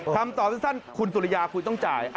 คำตอบสั้นคุณสุริยาคุยต้องจ่าย